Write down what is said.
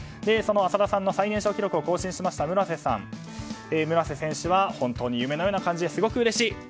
その浅田さんの最年少記録を更新した村瀬選手は本当に夢のような感じですごくうれしい。